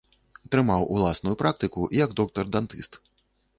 Трымаў уласную практыку як доктар-дантыст.